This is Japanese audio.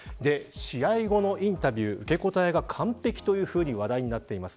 試合後のインタビュー受け答えが完璧と話題になっています。